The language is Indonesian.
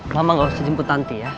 mbak enggak usah jemput nanti ya